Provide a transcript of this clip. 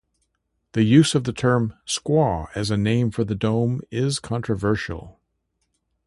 The use of the term "squaw" as a name for the dome is controversial.